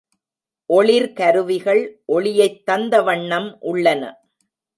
ஒளிர் கருவிகள் ஒளியைத் தந்த வண்ணம் உள்ளன.